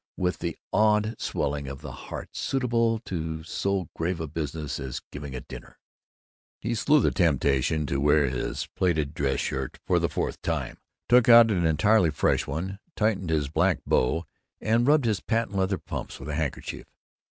With the awed swelling of the heart suitable to so grave a business as giving a dinner, he slew the temptation to wear his plaited dress shirt for a fourth time, took out an entirely fresh one, tightened his black bow, and rubbed his patent leather pumps with a handkerchief.